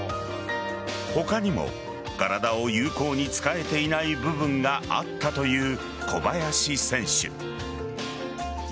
他にも体を有効に使えていない部分があったという小林選手。